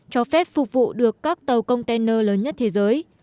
cho phép phục vụ được các tàu container lớn nhất thế giới